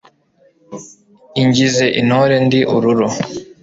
ingize intore ndi ururo